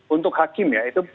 untuk hakim ya itu